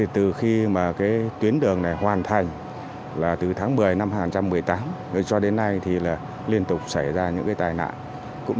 từ khi tuyến đường này hoàn thành từ tháng một mươi năm hai nghìn một mươi tám cho đến nay liên tục xảy ra những tai nạn